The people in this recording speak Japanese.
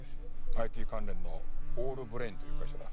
ＩＴ関連のオールブレインという会社だ。